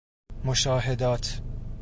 مشاهدات